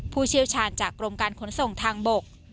ผู้เชี่ยวชาญจากกรมการขนส่งทางบก